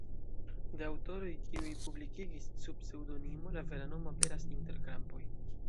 De aŭtoroj kiuj publikigis sub pseŭdonimo, la vera nomo aperas inter krampoj.